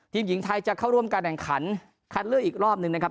หญิงไทยจะเข้าร่วมการแข่งขันคัดเลือกอีกรอบหนึ่งนะครับ